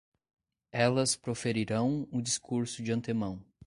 Elas proferirão o discurso de antemão